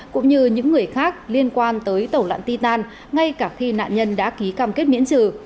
cũng như những người khác liên quan tới tàu lặn titan ngay cả khi nạn nhân đã ký cam kết miễn trừ